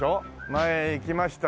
前行きました。